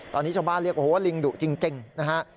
ตอนนี้ชาวบ้านเรียกโอ้โหลิงดุจริงนะฮะ